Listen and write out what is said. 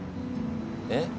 えっ？